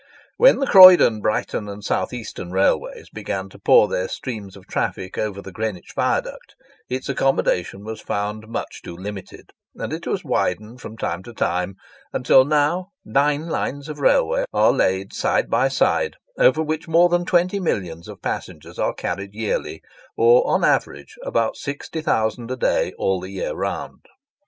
When the Croydon, Brighton, and South Eastern Railways began to pour their streams of traffic over the Greenwich viaduct, its accommodation was found much too limited; and it was widened from time to time, until now nine lines of railway are laid side by side, over which more than twenty millions of passengers are carried yearly, or an average of about 60,000 a day all the year round.